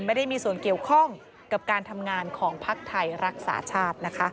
ไม่ได้มีส่วนเกี่ยวข้องกับการทำงานของภักดิ์ไทยรักษาชาตินะคะ